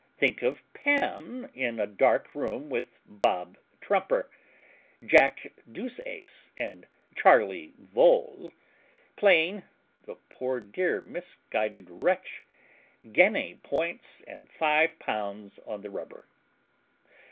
think of Pam in a dark room with Bob Trumper, Jack Deuceace, and Charley Vole, playing, the poor dear misguided wretch, guinea points and five pounds on the rubber!